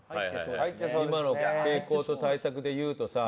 今の傾向と対策で言うとさ。